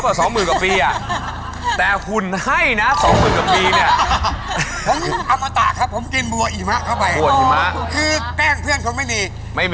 คือนอกจากพี่ป๊อปไม่มีใครเอาเขาแล้ว